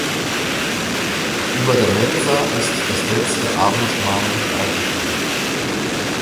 Über der Mensa ist das Letzte Abendmahl dargestellt.